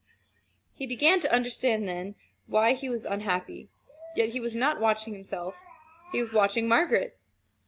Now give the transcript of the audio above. He began to understand then, why he was unhappy yet he was not watching himself, he was watching Margaret.